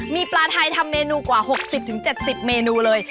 มีปลาไทยทำเมนูกว่า๖๐๗๐เมนูเลย